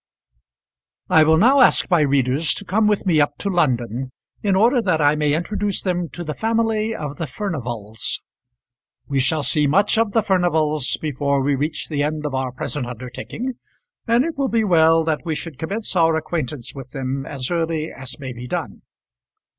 I will now ask my readers to come with me up to London, in order that I may introduce them to the family of the Furnivals. We shall see much of the Furnivals before we reach the end of our present undertaking, and it will be well that we should commence our acquaintance with them as early as may be done.